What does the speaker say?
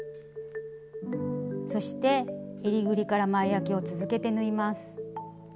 そしてえりぐりから前あきを続けて縫います。